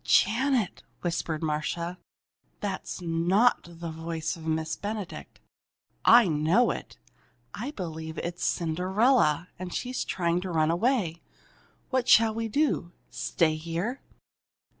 "Janet," whispered Marcia, "that's not the voice of Miss Benedict! I know it! I believe it's Cinderella, and she's trying to run away! What shall we do stay here?"